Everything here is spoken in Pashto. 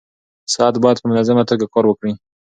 ساعت باید په منظمه توګه کار وکړي.